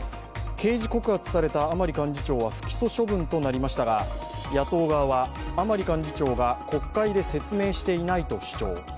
刑事告発した甘利幹事長は不起訴処分となりましたが野党側は、甘利幹事長が国会で説明していないと主張。